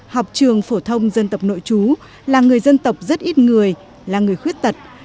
học trường phổ thông dân tập nội chú là người dân tập rất ít người là người khuyết tật